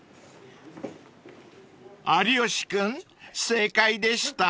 ［有吉君正解でした？］